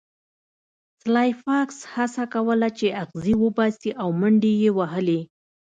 سلای فاکس هڅه کوله چې اغزي وباسي او منډې یې وهلې